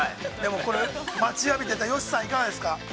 これ、待ちわびていた、善しさん、いかがですか。